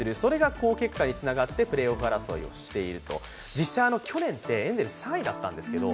実際去年って、エンゼルス３位だったんですけど